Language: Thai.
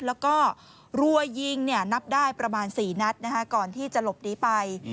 แล้วก็รัวยิงนับได้ประมาณ๔นัดก่อนที่จะหลบหนีไป